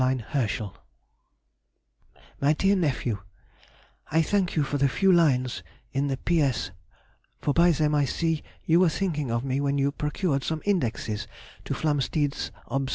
[Sidenote: 1822. Settled in Hanover.] MY DEAR NEPHEW,—I thank you for the few lines in the P.S., for by them I see you were thinking of me when you procured some indexes to Flamsteed's obs.